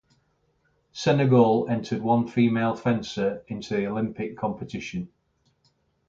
Senegal entered one female fencer into the Olympic competition.